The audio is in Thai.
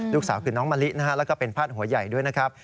ลูกสาวคือน้องมะลินะฮะแล้วก็เป็นพาดหัวใหญ่ด้วยนะครับ